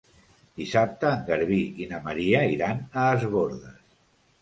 Dissabte en Garbí i na Maria iran a Es Bòrdes.